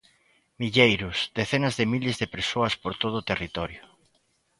Milleiros, decenas de miles de persoas por todo o territorio.